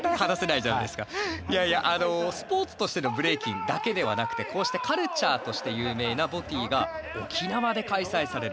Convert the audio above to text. いやいやあのスポーツとしてのブレイキンだけではなくてこうしてカルチャーとして有名なＢＯＴＹが沖縄で開催される。